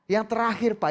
yang terakhir pak